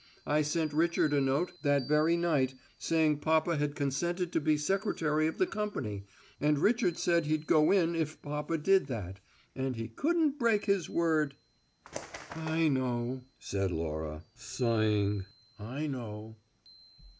I sent Richard a note that very night saying papa had consented to be secretary of the company, and Richard had said he'd go in if papa did that, and he couldn't break his word " "I know," said Laura, sighing. "I know."